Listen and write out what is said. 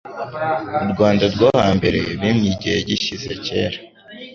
u Rwanda rwo hambere bimye igihe gishyize kera